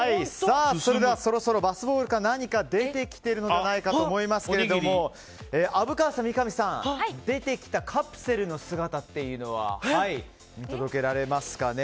それでは、そろそろバスボールから何か出てきてるのではないかと思いますけれども虻川さん、三上さん出てきたカプセルの姿を見届けられますかね。